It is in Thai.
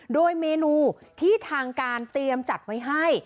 โดยเมนูที่ทางการเตรียมจัดไว้ให้